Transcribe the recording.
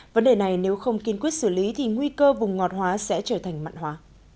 vấn đề này nếu không kiên quyết xử lý thì nguy cơ vùng ngọt hóa sẽ trở thành mặn hóa